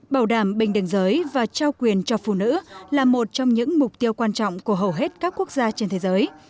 bảo đảm bình đẳng giới và trao quyền cho phụ nữ là một trong những mục tiêu quan trọng của hầu hết các quốc gia trên thế giới